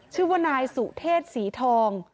ชื่อว่านายสุเทศศรีทอง